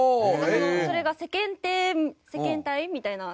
それが世間体みたいな？